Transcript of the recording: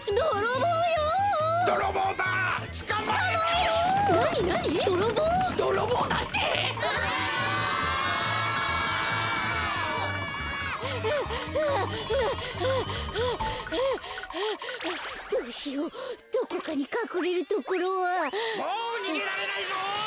・もうにげられないぞ！はっ！